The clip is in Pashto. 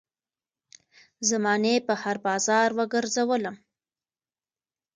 زمانې په هـــــر بازار وګرځــــــــــولم